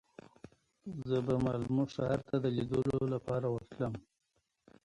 زه به مالمو ښار ته د لیدو لپاره ورتلم.